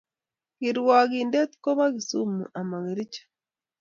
Kirwakindet ko ba Kisumu amo kericho